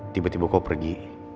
tiba tiba kau pergi